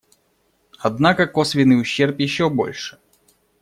Однако косвенный ущерб еще больше.